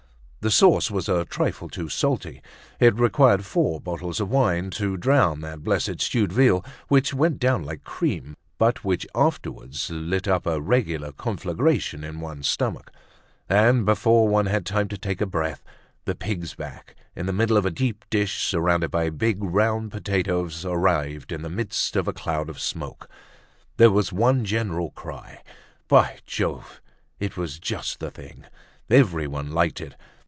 The sauce was a trifle too salty. It required four bottles of wine to drown that blessed stewed veal, which went down like cream, but which afterwards lit up a regular conflagration in one's stomach. And before one had time to take a breath, the pig's back, in the middle of a deep dish surrounded by big round potatoes, arrived in the midst of a cloud of smoke. There was one general cry. By Jove! It was just the thing! Everyone liked it.